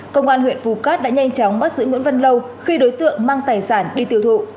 công an huyện phù cát đã nhanh chóng bắt giữ nguyễn văn lâu khi đối tượng mang tài sản đi tiêu thụ